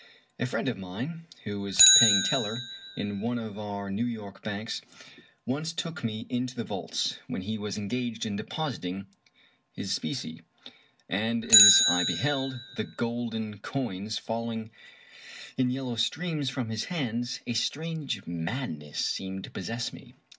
A friend of mine, who was paying teller in one of our New York banks, once took me into the vaults when he was engaged in depositing his specie, and as I beheld the golden coins falling in yellow streams from his hands, a strange madness seemed to possess me.